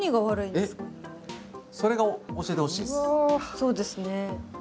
そうですね。